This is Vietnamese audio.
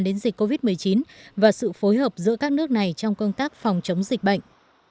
đến dịch covid một mươi chín và sự phối hợp giữa các nước này trong công tác phòng chống dịch bệnh